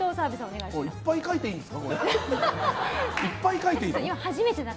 いっぱい書いていいんですか？